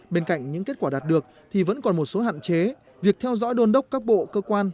bên cạnh những kết quả đạt được thì vẫn còn một số hạn chế việc theo dõi đôn đốc các bộ cơ quan